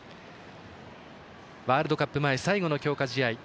ワールドカップ前最後の強化試合。